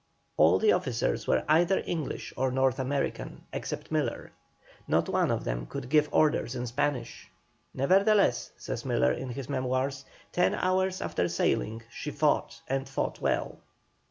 All the officers were either English or North Americans, except Miller; not one of them could give orders in Spanish. "Nevertheless," says Miller, in his Memoirs, "ten hours after sailing she fought and fought well."